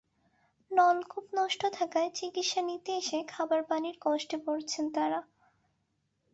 নলকূপ নষ্ট থাকায় চিকিৎসা নিতে এসে খাবার পানির কষ্টে পড়ছেন তাঁরা।